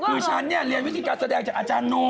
คือฉันเรียนวิธีการแสดงจากอาจารย์นุ่มอยู่